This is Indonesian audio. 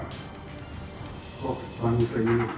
tidak ada free trade tidak ada perdagangan bebas